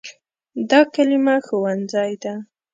دا کلمه “ښوونځی” ده.